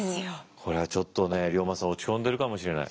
これはちょっとね龍馬さん落ち込んでるかもしれない。